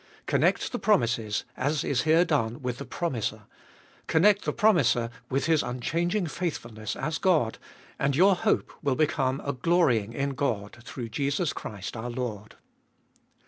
Connect the promises, as is here done, with the promiser ; con nect the promiser with His unchanging faithfulness as God, and your hope will become a glorying in God, through Jesus Christ our Lord.